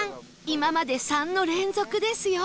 今まで「３」の連続ですよ